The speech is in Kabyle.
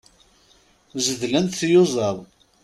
Zeddlent tyuẓaḍ.